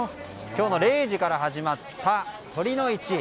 今日の０時から始まった酉の市。